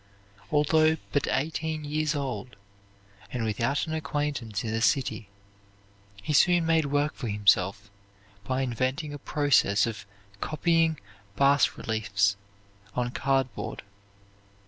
Although but eighteen years old, and without an acquaintance in the city, he soon made work for himself by inventing a process of copying bas reliefs on cardboard.